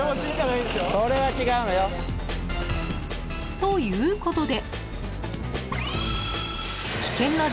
ということで］